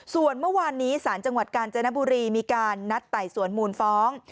ส่วนเมื่อวานนี้ศาลจังหวัดกาญจนบุรีมีการนัดไต่สวนมูลฟ้อง